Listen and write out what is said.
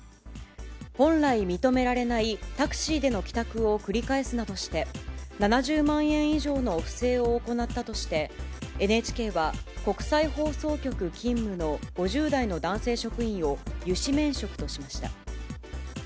本来、認められないタクシーでの帰宅を繰り返すなどして、７０万円以上の不正を行ったとして、ＮＨＫは国際放送局勤務の５０代の男性職員を諭旨免職としました。